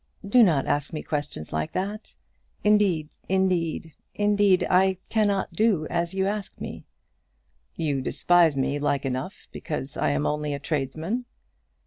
"Do not ask me questions like that. Indeed, indeed, indeed, I cannot do as you ask me." "You despise me, like enough, because I am only a tradesman?"